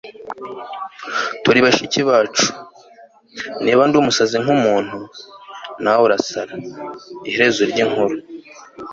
turi bashiki bacu. niba ndumusazi kumuntu, nawe urasara. iherezo ry'inkuru